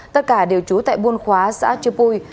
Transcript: tất cả đều trú tại buôn khóa xã chư pui